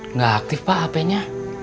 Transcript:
enggak aktif pak hapenya